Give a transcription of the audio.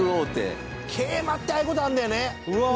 山崎：桂馬ってああいう事あるんだよね！